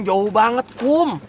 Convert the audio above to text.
jauh banget kum